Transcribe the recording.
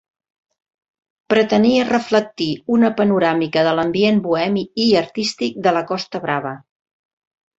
Pretenia reflectir una panoràmica de l'ambient bohemi i artístic de la Costa Brava.